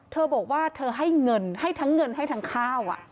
เธอบอกว่าเธอให้เงินให้ทั้งเงินให้ทั้งข้าว